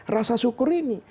rasa syukur ini